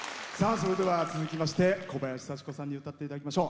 それでは続きまして小林幸子さんに歌っていただきましょう。